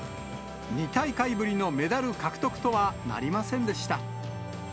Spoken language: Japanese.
２大会ぶりのメダル獲得とはなりませんでした。